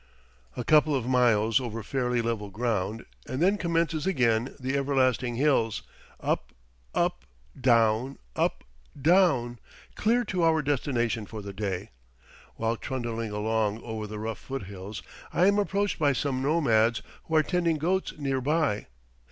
A couple of miles over fairly level ground, and then commences again the everlasting hills, up, up, down, up, down, clear to our destination for the day. While trundling along over the rough foot hills, I am approached by some nomads who are tending goats near by.